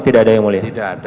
tidak ada yang mulia